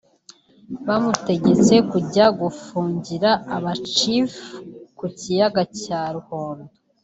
bamutegetse kujya gufungira aba Chef ku kiyaga cya Ruhondo